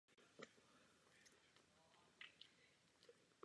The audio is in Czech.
Zde se konečně dočkal výraznějších úspěchů.